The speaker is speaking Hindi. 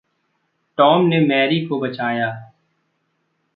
टौम ने मैरी को बचाया ।